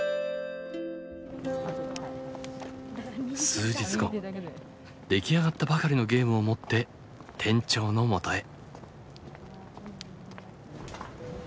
数日後出来上がったばかりのゲームを持って店長のもとへ。